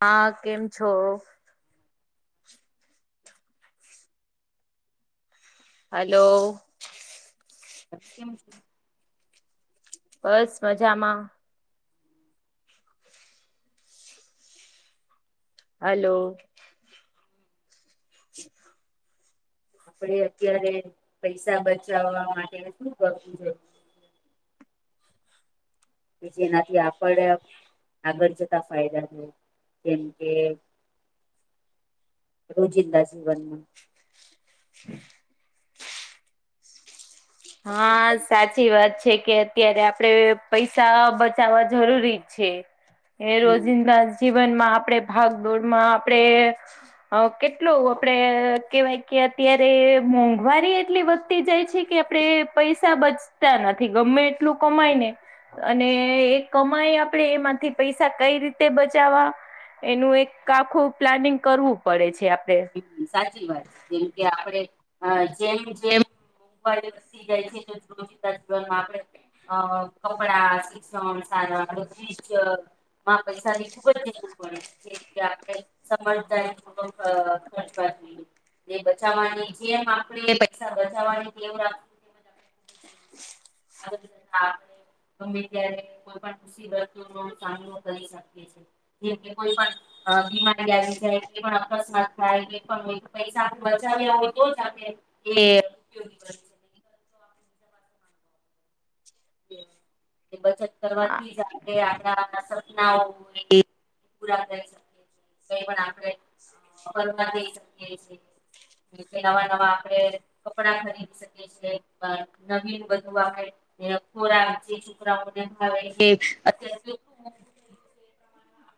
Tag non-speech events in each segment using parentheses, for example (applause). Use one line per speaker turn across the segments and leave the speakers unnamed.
હા કેમ છો? હાલો.
કેમ છો?
બસ મજામાં. હાલો.
આપડે અત્યારે પૈસા બચાવા માટે શું કરવું જોઈએ? જેનાથી આપણે આગળ જતા ફાયદા થાય. જેમ કે રોજિંદા જીવનમાં
હા સાચી વાત છે, કે અત્યારે આપડે પૈસા બચાવવા જરૂરી છે, એ
હમ
રોજિંદા જીવનમાં આપણેે ભાગદોડમાં આપણેે હ કેટલો આપડે કેવાય કે અત્યારે મોંઘવારી એટલી વધતી જાય છે કે આપણે પૈસા બચતા નથી ગમે એટલું કમાય ને અને એ કમાય આપણેે એમાંથી પૈસા કઈ રીતે બચાવવા એનું એક આખું પ્લાનિંગ કરવું પડે છે આપડે
સાચી વાત છે જેમ કે આપડે જેમ જેમ (unintelligible) જીવનમાં આપણે અ કપડા શિક્ષણ (unintelligible) હા પૈસાની ખુબ જરૂર પડે છે (unintelligible) (unintelligible) બચાવવાની જેમ આપણે પૈસા બચાવવાની ટેવ (unintelligible) (unintelligible) ગમે ત્યારે કોઈ પણ મુસીબતોનો સામનો કરી શકે જેથી કોઈ પણ હ બીમારી આવી જાય કોઈ પણ અકસ્માત થાય (unintelligible) પૈસા બચાવ્યા હોય તો જ આપણે (inaudible) બચત
હા
કરવાથી (unintelligible) (inaudible) (unintelligible) આપણે (unintelligible) જઈ શકીએ છીએ નવા નવા આપડે કપડા ખરીદી શકીએ (unintelligible) (unintelligible) થઈ ગયું છે. એ પ્રમાણમાં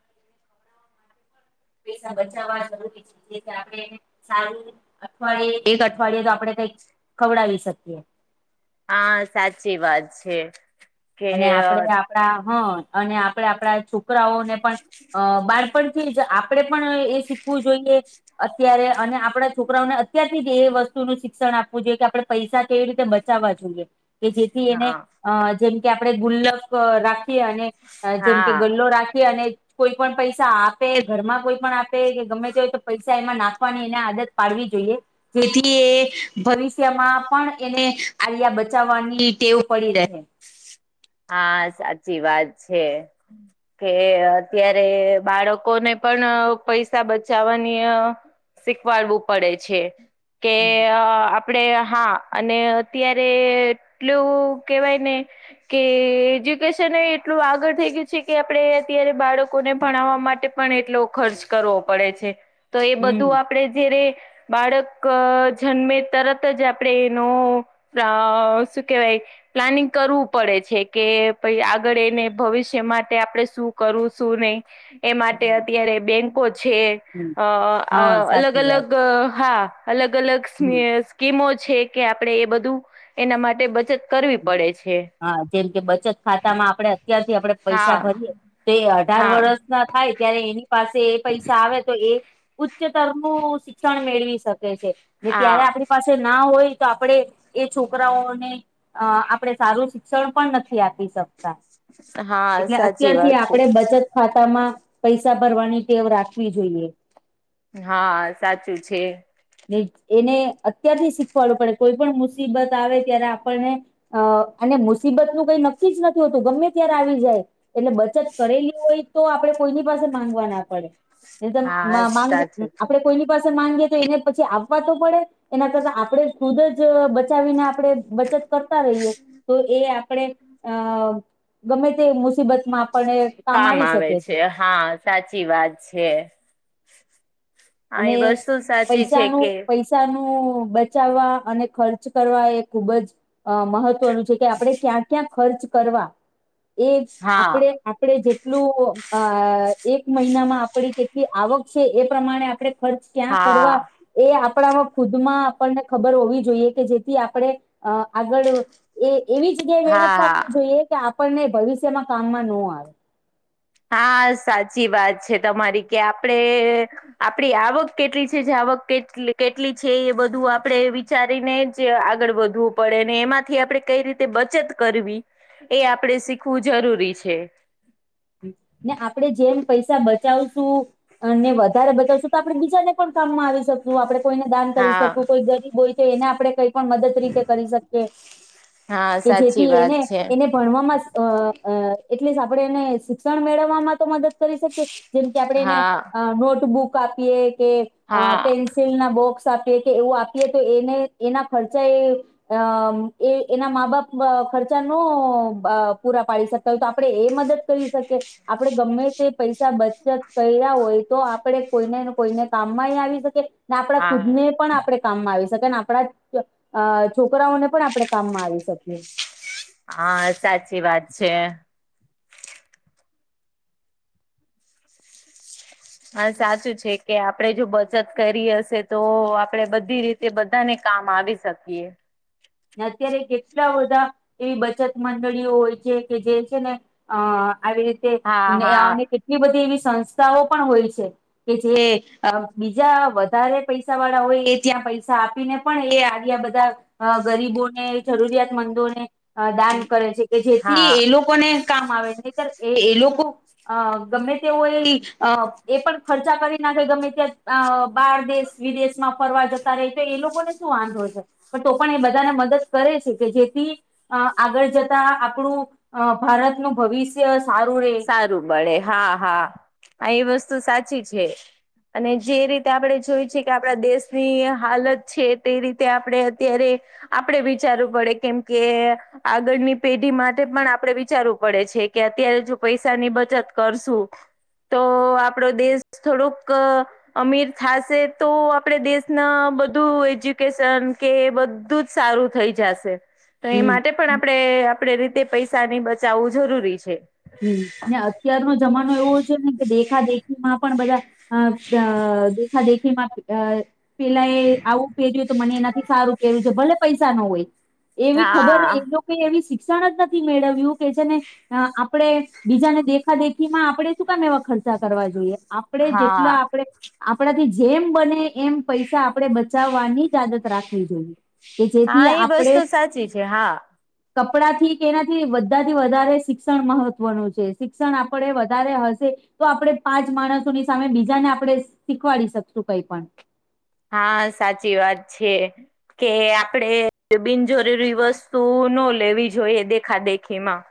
પૈસા બચાવવા જરૂરી છે જે કે આપણે સારું એક અઠવાડિયે તો આપડે કઈક ખવડાવી શકીએ.
હા સાચી વાત છે. કે
અને આપડે આપડા હ અને આપડે આપડા છોકરાઓને પણ અ બાર (unintelligible) આપડે પણ એ શીખવું જોઈએ અત્યારે અને આપડા છોકરાઓને અત્યારથી જ એ વસ્તુનું શિક્ષણ આપવું જોઈએ કે આપડે પૈસા કેવી રીતે બચાવા જોઈએ કે જેથી એને,
હા
અ જેમ કે આપણે ગુલ્લક રાખીએ અને અ જેમ કે
હા
ગલ્લો રાખીએ અને કોઈ પણ પૈસા આપે, ઘરમાં કોઈ પણ આપે કે ગમે તે હોય તો પૈસા એમાં નાખવાની એને આદત પાડવી જોઈએ. જેથી એ, ભવિષ્યમાં પણ એને (unintelligible) બચાવવાની ટેવ પડી રહે.
હા સાચી વાત છે. કે અત્યારે બાળકોને પણ અ પૈસા બચાવાની અ શીખવાડવું પડે છે કે
હમ
અ આપ ડે હા, અને અત્યારે એટલું કેવાય ને કે એજ્યુકેશન એ એટલું આગળ થઈ ગયું છે કે આપડે અત્યારે બાળકોને ભણાવવા માટે પણ એટલો ખર્ચ કરવો પડે છે, તો એ બધું
હમ
આપડે જ્યારે બાળકઅ જન્મે તરત જ આપડે એનો અ શું કેવાય, પ્લાનિંગ કરવું પડે છે કે ભઇ આગળ એને ભવિષ્ય માટે આપડે શું કરવુ શુ નઇ એ માટે
હમ
અત્યારે બેંકો છે
હમ
અ
હા
આ અલગ
સાચી વાત
અલગ
છે
હા અલગ અલગ
હમ
સ્મી સ્કીમો છે કે આપડે એ બધું એના માટે બચત કરવી
હમ
પડે છે.
હા, જેમ કે બચત ખાતામાં આપડે અત્યારથી આપડે પૈસા
હા
ભરીએ તે અઢાર
હા
વરષ પૂરા થાય ત્યારે એની પાસે એ પૈસા આવે તો એ ઉચ્ચતર નું શિક્ષણ મેળવી શકે ટે છે ને ત્યારે
હા
આપડી પાસે ના હોય તો આપડે, એ છોકરાઓને અ આપડે સારું શિક્ષણ પણ નથી આપી શકતા.
હા
એટલે
સાચી
અત્યારથી
વાત છે
આપડે બચત ખાતામાં, પૈસા ભરવાની ટેવ રાખવી જોઈએ.
હા સાચું છે.
ને, એને અત્યારથી શીખવાડું પડે કોઈપણ મુસીબત આવે ત્યારે આપણને અ, અને મુસીબત નું કઈ નક્કી જ નથી હોતું ગમે ત્યારે આવી જાય એટલે બચત કરેલી હોય તો આપડે કોઈની પાસે માંગવા ના પડે. (unintelligible)
હા
માં માંગવુ,
સાચું
આપડે
છે
કોઈની પાસે માંગીએ તો એને પછી આવવા તો પડે એના કરતા આપડે ખુદ જઅ બચ ચાવીને આપડે બચત રહીએ, તો એ આપણેે, અ ગમે તે મુસીબત માં આપણને, કામ આવી શકે છે.
હા, સાચી વાત છે. હા, એ વસ્તુ સાચી છે કે
તનું બચાવવા અને ખર્ચ કરવા એ ખુબ જ અ મહત્વનું છે કે આપડે ક્યાં ક્યા ખર્ચ કરવા, એ,
હા
આપડે આપડે જેટલું, અ, એક મહિનામાં આપડી કેટલી આવક સે, એ પ્રમાણે આપણે ખર્ચ ક્યાં
હા
કરવા? એ આપણામાં ખુદમાં આપણને ખબર હોવી જોઈએ કે જેથી આપણે, અ આગળ એ એવી જગ્યાએ વેડફવા નો
હા
જોઈએ કે આપણને ભવિષ્યમાં કામમાં નો આવે.
હા સાચી વાત છે તમારી કે આપડે આપડી આવક કેટલી છે જાવક કેટલી, કેટલી છે એ બધું આપડે વિ ચારીને જ આગળ વધવું પડે ને એમાંથી આપડે કઈ રીતે બચત કરવી એ આપડે શીખવું જરૂરી છે.
ને આપડે જેમ પૈસા બચાવશું અને વધારે બચાવશું તો આપડે બીજાને પણ કામમાં આવી શક શું આપડે કોઈને દાન કરી
હા
શકું કોઈ ગરીબ હોય છે એને આપડે કઈ પણ મદદ રીતે કરી શકીએ
હા
કે
સાચી
જેથી એને
વાત છે
એને ભણવામાંસ અઅ એટલીસ્ટ આપણડે એને શિક્ષણ મેળવવામાં તો મદદ કરી શકીએ. જેમ કે આપડે એને
હા
નોટબુક આપીએ કે અ પેન્સ
હા
સીલ ના બોક્સ આપીએ કે એવું આપીએ તો એને એના ખર્ચા એ અમ એ એના મા બાપ બ ખર્ચા નો બ પૂરા પાડી શકતા હોય તો આપડે એ મદદ કરી શકે આપડે ગમે તે પૈસા બચત કઈરા હોય તો આપણડે કોઈનેને કોઈને કામમાંય આવી શકીએ ને આપણા ખુદ
હા
ને પણ આપડે કામમાં આવી શકે આપડાજ અ છોકરાઓને પણ આપડે કામમાં આવી શકીએ.
હા સાચી વાત છે. હા સાચું છે કે આપડે જો બચત કરી હશે તો આપડે બધી રીત તે બધાને કામ આવી શકીએ.
અત્યારે કેટલા બધા એવી બચત મંડળીઓ હોય છે કે જે છે ને અ આવી રીતે
હા હા
અને અ કેટલી બધી એવી સંસ્થાઓ પણ હોય છે. કે જે બીજા વધારે પૈસા વાળા હોય એ ત્યાં પૈસા આપીને પણ એ આગ્યા બધા ગરીબોને જરૂરિયાતમંદોને અ દાન કરે છે કે જેથી
હા
એ લોક કો ને કામ આવે નહીતર એ એ લોકો અ ગમે તેઓ એ ઈ અ એ પણ ખર્ચા કરી નાખે ગમે ત્યાં અ બાર દેશ-વિદેશમાં ફરવા જતા રહે તે ઈ લોકોને શું વાંધો છે. (unintelligible) પણ એ બધાને મદદ કરે છે કે જેથી અ આગળ જતા આપણું ભારતનું ભવિષ્ય સારું રે
(unintelligible) હા હા, હા એ વસ્તુ સાચી છે. અને જે રીતે આપડે જોયુ છે કે આપડા દેશની હાલત છે તે રીતે આપડે અત્યારે આપડે વિચારવું પડે કેમ કે આગળની પેઢી માટે પણ આપડે વિચારવું પડે છે કે અત્યારે જો પૈસાની બચત કરશું તો આપડો દેશ થોડુંક અમીર થાશે તો આપડે દેશના બધું એજ્યુકેશન કે બધ્ધું સારું થઈ જાશે. તો એ
હમ
માટે પણ આપડે આપડે રીતે પૈસાની બચાવવું જરૂરી છે.
હમ્મ, ને અત્યારનો જમાનો એવો છે ને કે દેખા-દેખીમાં પણ બધા અ (unintelligible) દેખા-દેખીમાં (unintelligible) પેલાએ આવું પેર્યું તો મને એનાથી સારું પેરવું છે, ભલે પૈસા ન હોય. એવી ખબર
હા
એ લો કોએ શિક્ષણ જ નથી મેળવ્યું કે જેને અ આ પડે બીજાને દેખા-દેખીમાં આપડે શું કામ એવા ખ ર્ચા કરવા જોઈએ આપડે જેટલા
હા
આપડે આપડાથી જેમ બને એમ પૈસા આપડે બચાવવાની જ આદત રાખવી જોઈએ. કે જેથી
હા, એ
આપણે
વસ્તુ સાચી છે હા.
કપડાથી કે એનાથી બધાથી વધારે શિ ક્ષણ મહત્વનું છે. શિક્ષણ આપડે વધારે હશે તો આપડે પાંચ માણસોની સામે બીજાને આપડે શીખવાડી શકશું કઈ પણ.
હા, સાચી વાત છે કે આપડે બિનજરૂરી વસ્તુ નો લેવી જોઈએ દેખા-દેખીમાં.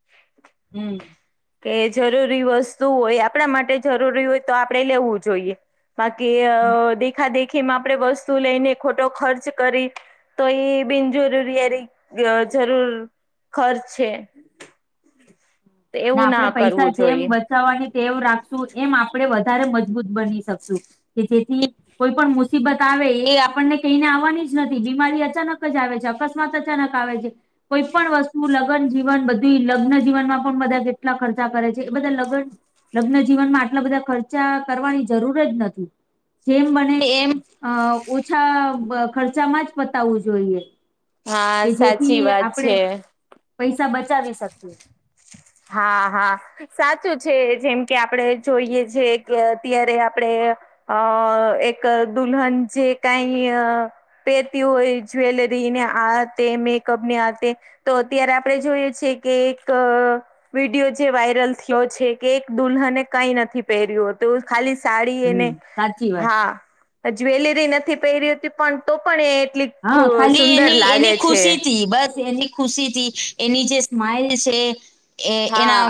(unintelligible)
હમ્મ
કે જરૂરી વસ્તુ હોય. આપડા માટે જરૂરી હોય તો આપણેે લેવું જોઈએ. બાકી અ દેખા-દેખીમાં આપડે વસ્તુ લઈને ખોટો ખર્ચ કરી તો એ બિનજરૂરીયારીક અ જરૂર ખર્ચ છે.
ના
એવું
આપડે પૈસા
કરવું
જેમ
જોઈએ
બચવાની ટેવ રાખશું એમ આપડે વધારે મજબૂત બની શકશું. કે જેથી કોઈ પણ મુસીબત આવે એ આપણને કહીને આવવાની જ નથી. બીમારી અચાનક જ આવે છે અક સ્માત અચાનક આવે છે. કોઈ પણ વસ્તુ લગન જીવન બધું લગ્નજીવનમાં બધા જેટલા ખર્ચા કરે છે એ બધા લગન લગ્નજીવનમાં આટલા બધા ખર્ચા કરવાની જરૂર જ નથી. જેમ બને એમ અ ઓછા ખર્ચામાં જ પતાવવું જોઈએ.
હા
કે
સાચી
જેથી
વાત
આપણેે
છે
પૈસા બચાવી શકીએ.
હા હા. સાચું છે જેમ કે આપડે જોઈએ છે કે અત્યારે આપડે અ... એક દુલ્હન જે કાય પેરતિ હોય જ્વેલરીને આ તે મેકઅપને આ તે તો અત્યારે આપણે જોયએ છે કે એક વિડિયો જે વાયરલ થયો છે કે એક દુલ્હને કાઈ નથી પહેર્યું હો તું ખાલી સાડી
હમ
એને
સાચી વાત
હા. જ્વેલરી નથી પહેરી હતી પણ તો પણ એ એટલી
હ, ખાલી
સુંદર
એની, એની
લાગે છે
ખુશી થી, બસ એની- -ખુશી થી એની જે સ્માઈલ છે. -
હા,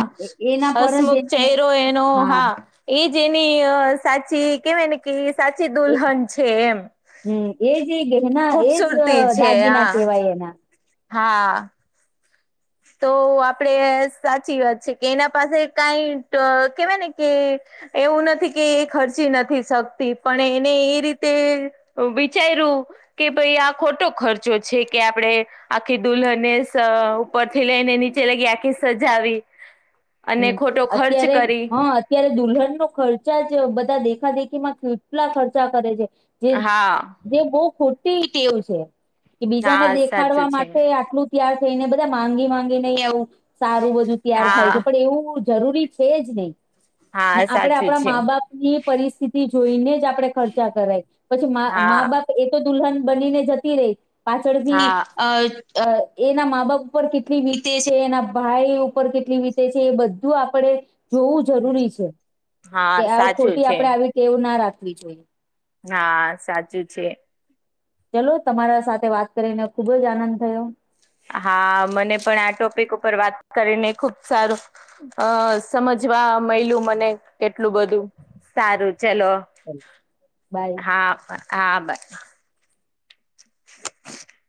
હસમુખ
એને
ચહેરો એનો, હા- એજ, એની સાચી કેવાય ને કે, સાચી દુલ્હન છે એમ-
હ.. એજે, ગેહેના એજ
ખૂબસૂરતી છે
દાગીના
હા
કહેવાય એના. -
હા તો આપણે સાચી વાત છે કે, એના પાસે કાંઈ ટ કેવાય ને કે- એવું નથી કે એ ખર્ચી નથી શકતી, પણ એને એ રીતે- વિચાઇરૂ- -કે ભાઈ આ ખોટો ખર્ચો છે, કે આપણેે આખી દુલ્હને સ- -ઉપરથી લઈને નીચે લગી, આખી સજાવી, અને
હમ
ખોટો ખર્ચ
અત્યારે
કરી-
હા અત્યારે દુલ્હનનો ખર્ચા જ, બધા દેખાદેખીમાં કેટલા ખર્ચા કરે છે. જે
હા
જે, બહુ ખોટી ટેવ છે. કે બીજાને
હા સાચું
દેખાડવા
છે
માટે આટલું- તૈયાર થઈને બધા માંગી માંગીને, આવું સારું બધું તૈયાર થાય છે.
હા
પણ એવું જરૂરી છે જ નહીં. ને
હા સાચું
આપણેે
છે
મા બાપ- -ની પરિસ્થિતિ જોઈને જ, આપણે ખર્ચા કરાય. પછી મા
હા
બાપ- એતો દુલ્હન બનીને જતી રહી, પાછળથી
હા
અ- -અ એના મા બાપ ઉપર કેટલી વીતે છે, એના ભાઈ ઉપર કેટલી વીતે- -તે જે એ બધું આપણે જોવું જરૂરી છ, કે
હા
આ
સાચું
ખોટી
છે
આપણે આવી- ટેવ ના રાખવી જોઈએ.
ના, આ સાચું છે.
ચલો, તમારા સાથે વાત કરીને, ખુબ જ આનંદ થયો.
હા, મને પણ આ ટોપિક ઉપર વાત કરીને ખુબ સારું- અ સમજવા મળયલું મને, કેટલું બધું, સારું ચલો-
બાય
હા, હા બાઈ. (inaudible)